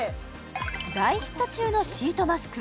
大ヒット中のシートマスク